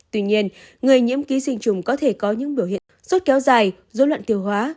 tuy nhiên người nhiễm ký sinh trùng có thể có những biểu hiện sốt kéo dài dối loạn tiêu hóa